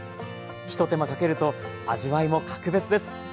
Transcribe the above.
ひと手間かけると味わいも格別です。